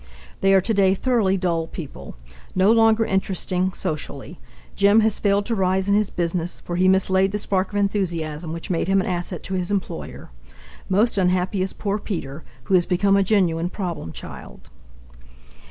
They are today thoroughly dull people, no longer interesting socially. Jim has failed to rise in his business, for he mislaid the spark of enthusiasm which made him an asset to his employer. Most unhappy is poor Peter, who has become a genuine problem child.